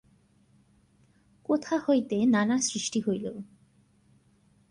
কোথা হইতে নানা সৃষ্টি হইল?